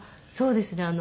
そうですね。